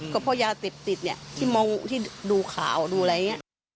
ก็เพราะยาเสพติดเนี่ยที่มองที่ดูข่าวดูอะไรอย่างนี้